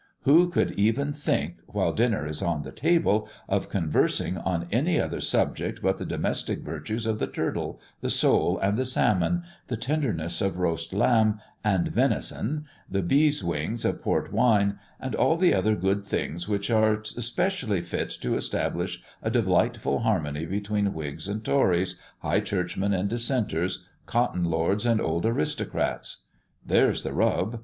Who could even think, while dinner is on the table, of conversing on any other subject but the domestic virtues of the turtle, the sole, and the salmon, the tenderness of roast lamb and venison, the bees wing of port wine, and all the other good things which are especially fit to establish a delightful harmony between Whigs and Tories, High Churchmen and Dissenters, Cotton Lords and old aristocrats? There's the rub.